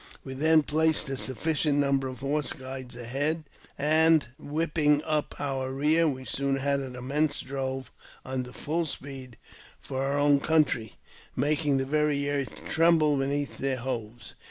"We then placed a sufficient number of horse guides ahead, and, whip ping up our rear, we soon had an immense drove under full speed for our own country, making the very earth tremble beneath their hoofs.